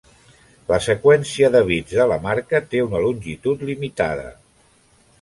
La seqüència de bits de la marca té una longitud limitada.